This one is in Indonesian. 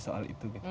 soal itu gitu